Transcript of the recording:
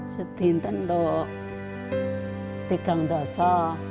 sedih untuk berjati